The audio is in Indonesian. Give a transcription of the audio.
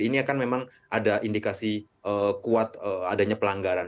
ini akan memang ada indikasi kuat adanya pelanggaran